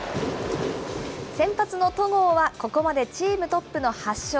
先発の戸郷はここまでチームトップの８勝。